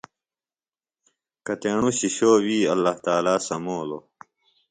کتیݨوۡ شِشوووِی اللہ تعالیٰ سمولوۡ۔